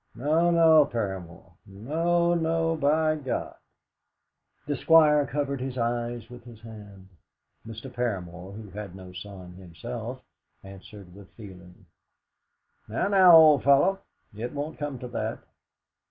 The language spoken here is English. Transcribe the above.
No, no, Paramor; no, no, by God!" The Squire covered his eyes with his hand. Mr. Paramor, who had no son himself, answered with feeling: "Now, now, old fellow; it won't come to that!"